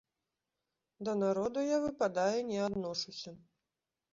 Да народу я, выпадае, не адношуся.